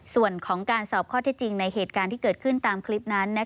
ส่วนของการสอบข้อที่จริงในเหตุการณ์ที่เกิดขึ้นตามคลิปนั้น